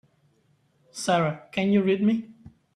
Sara can you read me?